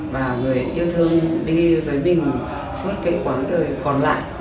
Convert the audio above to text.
và người yêu thương đi với mình suốt cái quán đời còn lại